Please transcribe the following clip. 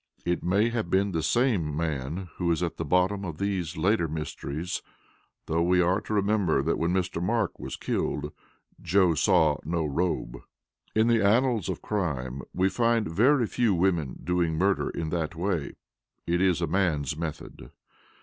It may have been the same man who is at the bottom of these later mysteries though we are to remember that when Mr. Mark was killed Joe saw no robe. "In the annals of crime we find very few women doing murder in that way; it is a man's method.